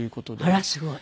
あらすごい。